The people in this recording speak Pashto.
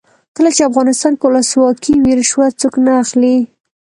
کله چې افغانستان کې ولسواکي وي رشوت څوک نه اخلي.